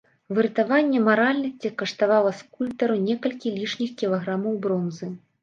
Выратаванне маральнасці каштавала скульптару некалькі лішніх кілаграмаў бронзы.